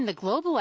は